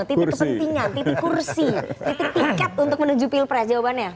titik kepentingan titik kursi titik tiket untuk menuju pilpres jawabannya